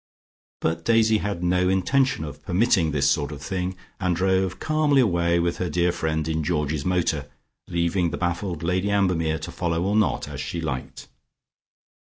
But Daisy had no intention of permitting this sort of thing, and drove calmly away with her dear friend in Georgie's motor, leaving the baffled Lady Ambermere to follow or not as she liked.